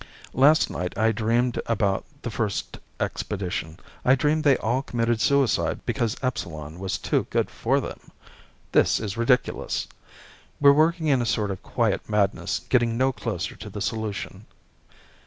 Last night I dreamed about the first expedition. I dreamed they all committed suicide because Epsilon was too good for them. This is ridiculous! We're working in a sort of quiet madness getting no closer to the solution.